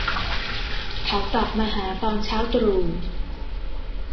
เขากลับมาหาตอนเช้าตรู่